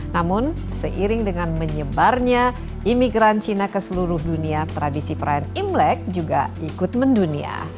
namun seiring dengan menyebarnya imigran cina ke seluruh dunia tradisi perayaan imlek juga ikut mendunia